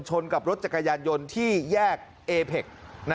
ชนกับรถจักรยานยนต์ที่แยกเอเพ็ก